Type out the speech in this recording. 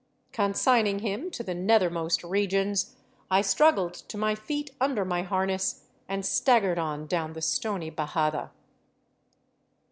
Consigning him to the nethermost regions, I struggled to my feet under my harness and staggered on down the stony bajada.